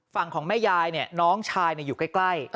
ฝั่งของแม่ยายเนี่ยน้องชายเนี่ยอยู่ใกล้